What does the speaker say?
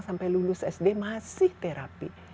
sampai lulus sd masih terapi